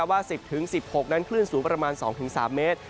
ว่า๑๐๑๖เทพศิษย์นั้นคลื่นสูงประมาณ๒๓เม็ด